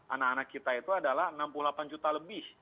anak anak kita itu adalah enam puluh delapan juta lebih